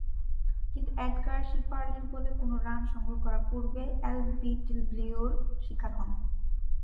কিন্তু এডগার শিফার্লি’র বলে কোন রান সংগ্রহ করার পূর্বেই এলবিডব্লিউ’র শিকার হন।